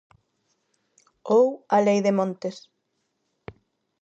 Ou a Lei de montes.